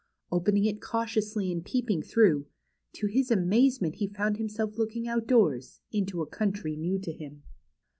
Opening it cau tiously and peeping through, to his amazement he found himself looking outdoors, into a country new to him.